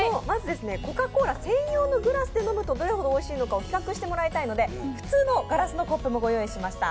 まずコカ・コーラ専用のグラスで飲むとどれほどおいしいのかを比較してもらいたいので、普通のガラスのコップも御用意しました。